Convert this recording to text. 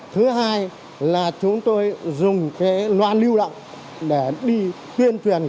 thứ hai là chúng tôi dùng loàn lưu động để đi tuyên truyền